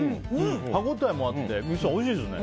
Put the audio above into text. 歯応えもあっておいしいですね。